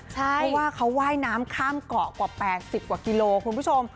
เพราะว่าเขาว่ายน้ำข้ามเกาะกว่า๘๐กว่ากิโลคุณผู้ชม